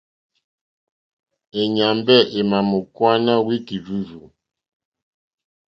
E nyàmbe è ma mò kuwana wiki rzurzù.